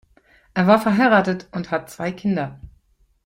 Er war verheiratet und hat zwei Kinder.